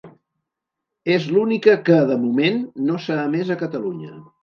És l'única que, de moment, no s'ha emès a Catalunya.